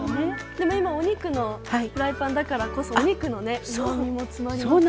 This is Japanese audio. でも今お肉のフライパンだからこそお肉のねうまみも詰まりますね。